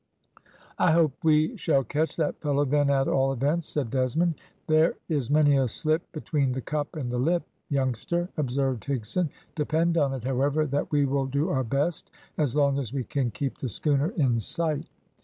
"I hope we shall catch that fellow, then, at all events," said Desmond. "There is many a slip between the cup and the lip, youngster," observed Higson. "Depend on it, however, that we will do our best as long as we can keep the schooner in sight."